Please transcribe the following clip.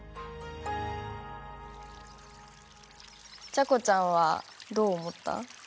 ちゃこちゃんはどう思った？